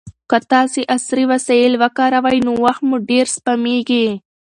که تاسي عصري وسایل وکاروئ نو وخت مو ډېر سپمېږي.